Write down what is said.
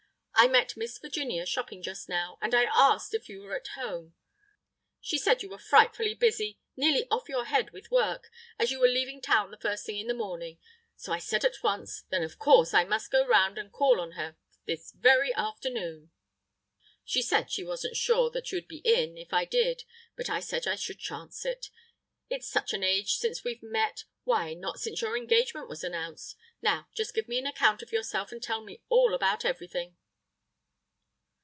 I met Miss Virginia shopping just now, and I asked if you were at home. She said you were frightfully busy, nearly off your head with work, as you were leaving town the first thing in the morning. So I said at once: Then of course I must go round and call on her this very afternoon. "She said she wasn't sure that you'd be in if I did, but I said I should chance it—it's such an age since we've met—why, not since your engagement was announced! Now, just give me an account of yourself, and tell me all about everything.